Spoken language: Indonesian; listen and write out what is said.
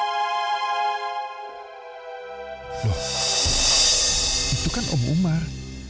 itu kan om umar